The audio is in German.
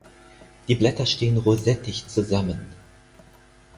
Die Blätter stehen rosettig zusammen.